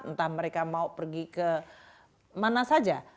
entah mereka mau pergi ke mana saja